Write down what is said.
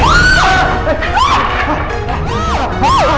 aduh aduh aduh